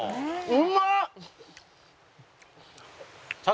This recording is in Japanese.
うまっ！